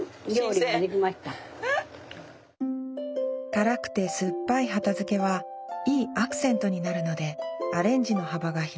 辛くて酸っぱい畑漬はいいアクセントになるのでアレンジの幅が広がります